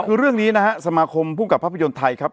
คือเรื่องนี้นะฮะสมาคมภูมิกับภาพยนตร์ไทยครับ